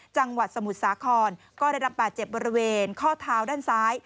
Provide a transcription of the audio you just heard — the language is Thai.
จังหวัดสมุทรสาครก็ได้รับบาดเจ็บบริเวณข้อเท้าด้านซ้าย